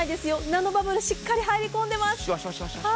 ナノバブルしっかり入り込んでいます。